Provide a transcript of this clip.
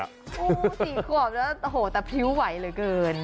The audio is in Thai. สี่ขวบแต่ผิวไหวเลยเกิน